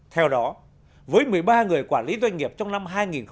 theo đó với một mươi ba người quản lý doanh nghiệp trong năm hai nghìn một mươi chín